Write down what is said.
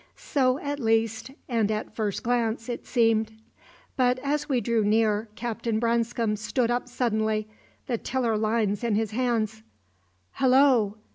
So, at least, and at first glance, it seemed; but as we drew near, Captain Branscome stood up suddenly, the tiller lines in his hands. "Hallo!